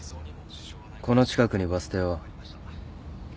この近くにバス停は？えっ？